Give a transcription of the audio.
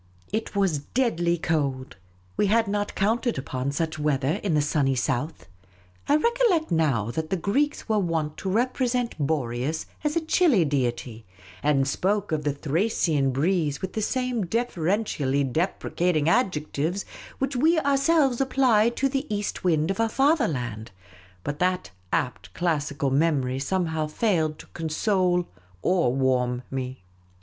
It was deadly cold. We had not counted upon such weather in the sunny south. I recollect now that the Greeks were wont to represent Boreas as a chilly deity, and spoke of the Thracian breeze with the same deferentially deprecating adjectives which we ourselves apply to the east wind of our fatherland; but that apt classical memory some how failed to console or warm me.